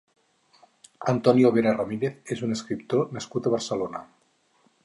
Antonio Vera Ramírez és un escriptor nascut a Barcelona.